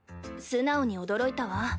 素直に驚いたわ。